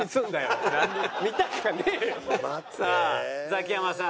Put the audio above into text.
さあザキヤマさん。